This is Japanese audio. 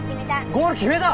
ゴール決めた！？